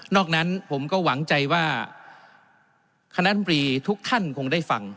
นั้นผมก็หวังใจว่าคณะบรีทุกท่านคงได้ฟัง